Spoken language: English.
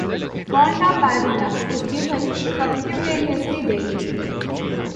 Fondaparinux is given subcutaneously daily.